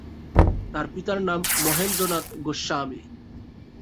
তার পিতার নাম মহেন্দ্রনাথ গোস্বামী।